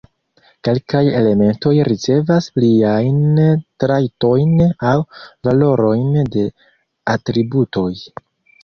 Kelkaj elementoj ricevas pliajn trajtojn aŭ valorojn de atributoj.